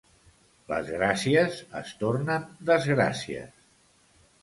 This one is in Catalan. Les gràcies es tornen desgràcies.